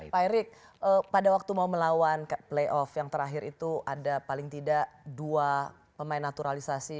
pak erik pada waktu mau melawan playoff yang terakhir itu ada paling tidak dua pemain naturalisasi